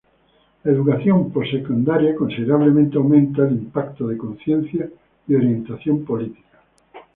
La educación post-segundaria considerablemente aumenta el impacto de conciencia y orientación política.